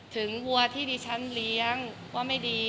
วัวที่ดิฉันเลี้ยงว่าไม่ดี